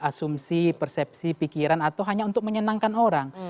asumsi persepsi pikiran atau hanya untuk menyenangkan orang